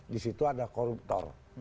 disitu ada koruptor